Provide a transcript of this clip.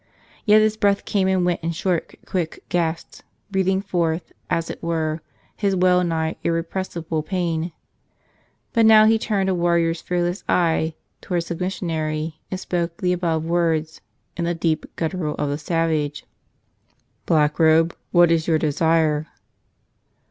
Yet his breath came and went in short, quick gasps, breathing forth, as it were, his well nigh irrepressible pain. But now he turned a warrior's fearless eye to¬ wards the missionary and spoke the above words in the deep guttural of the savage : "Blackrobe, what is your desire?"